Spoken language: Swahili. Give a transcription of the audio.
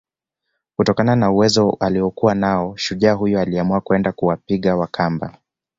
Kutokana na uwezo aliokuwa nao shujaa huyo aliamua kwenda kuwapiga Wakamba